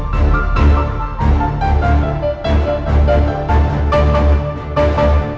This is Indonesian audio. seorang yang tidak terserah ngalah